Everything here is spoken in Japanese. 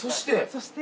そして。